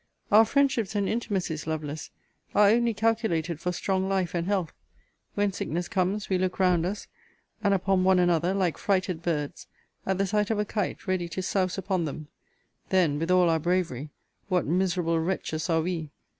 Our friendships and intimacies, Lovelace, are only calculated for strong life and health. When sickness comes, we look round us, and upon one another, like frighted birds, at the sight of a kite ready to souse upon them. Then, with all our bravery, what miserable wretches are we!